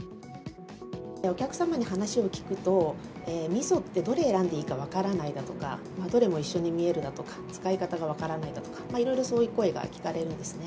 お客様に話を聞くと、みそってどれ選んでいいか分からないだとか、どれも一緒に見えるだとか、使い方が分からないだとか、いろいろそういう声が聞かれるんですね。